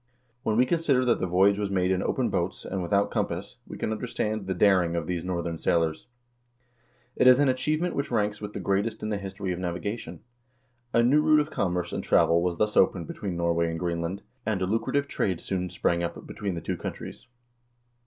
When we consider that the voyage was made in open boats, and without compass, we can understand the daring of these northern sailors. It is an achieve ment which ranks with the greatest in the history of navigation. A new route of commerce and travel was thus opened between Norway and Greenland, and a lucrative trade soon sprang up between the two countries.